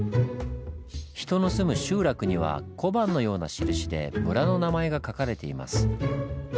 人の住む集落には小判のような印で村の名前が書かれています。